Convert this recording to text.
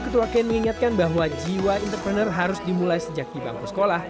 ketua kan mengingatkan bahwa jiwa entrepreneur harus dimulai sejak di bangku sekolah